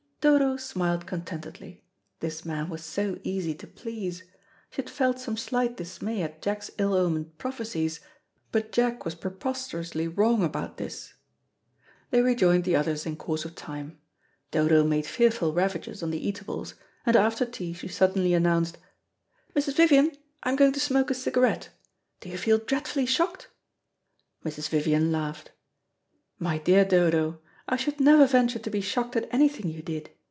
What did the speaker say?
Dodo smiled contentedly. This man was so easy to please. She had felt some slight dismay at Jack's ill omened prophecies, but Jack was preposterously wrong about this. They rejoined the others in course of time. Dodo made fearful ravages on the eatables, and after tea she suddenly announced, "Mrs. Vivian, I'm going to smoke a cigarette. Do you feel dreadfully shocked?" Mrs. Vivian laughed. "My dear Dodo, I should never venture to be shocked at anything you did.